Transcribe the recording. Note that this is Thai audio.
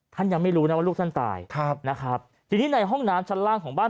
ท่านยังไม่รู้นะว่าลูกท่านตายทีนี้ในห้องน้ำชั้นล่างของบ้าน